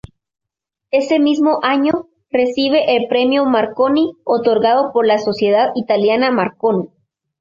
Ese mismo año recibe el Premio Marconi otorgado por la sociedad italiana Marconi.